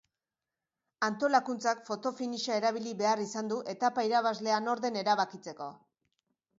Antolakuntzak foto-finisha erabili behar izan du etapa irabazlea nor den erabakitzeko.